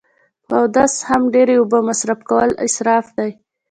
په اودس هم ډیری اوبه مصرف کول اصراف دی